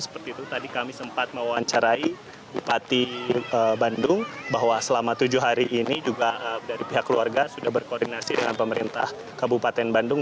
seperti itu tadi kami sempat mewawancarai bupati bandung bahwa selama tujuh hari ini juga dari pihak keluarga sudah berkoordinasi dengan pemerintah kabupaten bandung